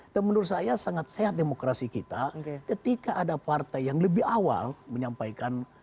dan menurut saya sangat sehat demokrasi kita ketika ada partai yang lebih awal menyampaikan